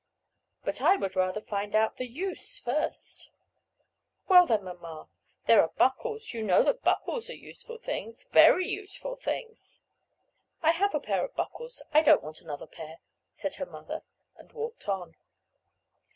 "But I would rather find out the use first." "Well, then, mamma, there are buckles; you know that buckles are useful things, very useful things." "I have a pair of buckles; I don't want another pair," said her mother, and walked on.